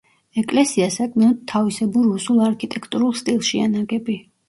ეკლესია საკმაოდ თავისებურ რუსულ არქიტექტურულ სტილშია ნაგები.